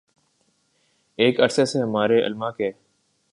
ایک عرصے سے ہمارے علما کے